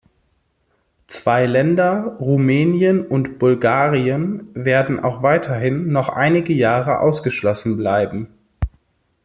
Zwei Länder, Rumänien und Bulgarien, werden auch weiterhin noch einige Jahre ausgeschlossen bleiben.